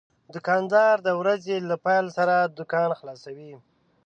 دوکاندار د ورځې له پېل سره دوکان خلاصوي.